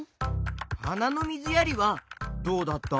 はなのみずやりはどうだった？